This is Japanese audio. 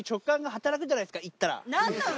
何なの？